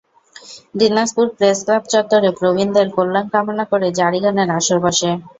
Dinajpur press club চত্বরে প্রবীণদের কল্যাণ কামনা করে জারি গানের আসর বসে।